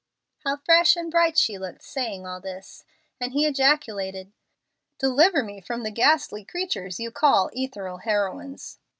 How fresh and bright she looked saying all this! and he ejaculated, "Deliver me from the ghastly creatures you call 'ethereal heroines.'"